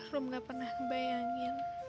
rumah pernah ngebayangin